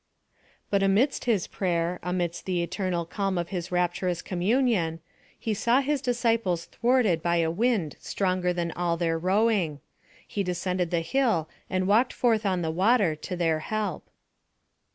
But amidst his prayer, amidst the eternal calm of his rapturous communion, he saw his disciples thwarted by a wind stronger than all their rowing: he descended the hill and walked forth on the water to their help.